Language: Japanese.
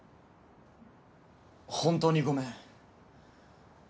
本当にごめん。